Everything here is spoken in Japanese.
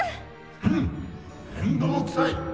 フン面倒くさい